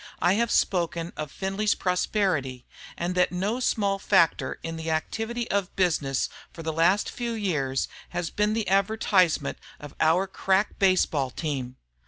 I have spoken of Findlay's prosperity, and that no small factor in the activity of business for the last few years has been the advertisement of our crack baseball team.